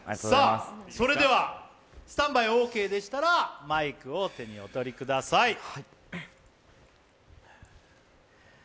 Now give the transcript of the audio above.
それではスタンバイオーケーでしたらマイクを手におとりください。